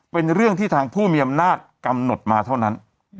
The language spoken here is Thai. เป็นเรื่องที่ทางผู้มีอำนาจกำหนดมาเท่านั้น